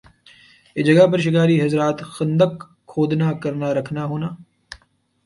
یِہ جگہ پر شکاری حضرات خندق کھودنا کرنا رکھنا ہونا